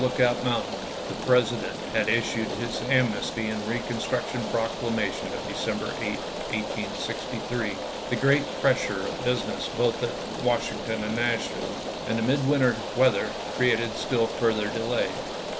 Lookout Mountain the President had issued his Amnesty and Eeconstruction Proclamation of De cember 8, 1863. The great pressure of business both at Washington and Nashville and the mid winter weather created still further delay.